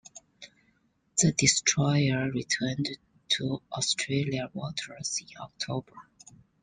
The destroyer returned to Australian waters in October.